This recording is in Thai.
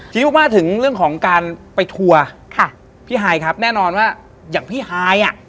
ฮิ้วมาถึงเรื่องของการไปทัวร์ค่ะพี่ฮายครับแน่นอนว่าอย่างพี่ฮายอ่ะ